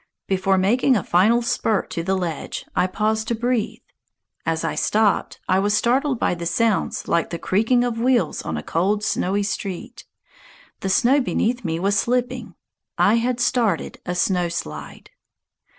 Before making a final spurt to the ledge, I paused to breathe. As I stopped, I was startled by sounds like the creaking of wheels on a cold, snowy street. The snow beneath me was slipping! I had started a snow slide.